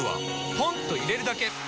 ポンと入れるだけ！